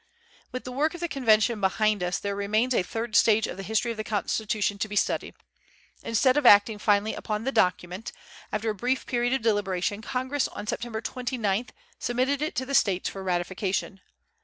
With the work of the Convention behind us, there remains the third stage of the history of the Constitution to be studied. Instead of acting finally upon the document, after a brief period of deliberation, Congress on September 29th submitted it to the States for ratification.